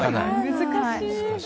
難しい。